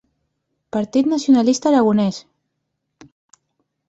Partit nacionalista aragonès.